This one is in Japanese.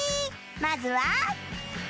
まずは